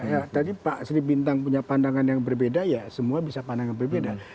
ya tadi pak sri bintang punya pandangan yang berbeda ya semua bisa pandangan berbeda